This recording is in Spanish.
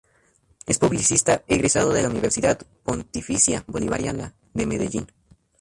Es Publicista, egresado de la Universidad Pontificia Bolivariana de Medellín.